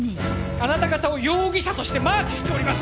あなた方を容疑者としてマークしております